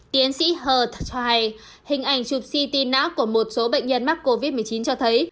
tiến sĩ hurt cho hay hình ảnh chụp si tin não của một số bệnh nhân mắc covid một mươi chín cho thấy